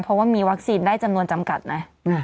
เพราะว่ามีวัคซีนได้จำนวนจำกัดนะ